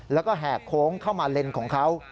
แล้วก็แหกโค้งเข้ามาเลนของเขา